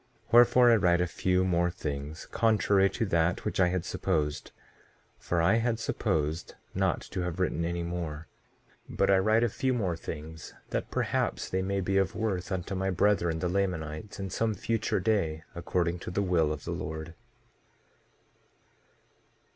1:4 Wherefore, I write a few more things, contrary to that which I had supposed; for I had supposed not to have written any more; but I write a few more things, that perhaps they may be of worth unto my brethren, the Lamanites, in some future day, according to the will of the Lord.